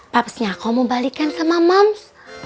papsnya aku mau balikan sama mams